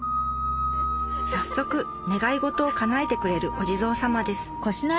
早速願い事をかなえてくれるお地蔵様です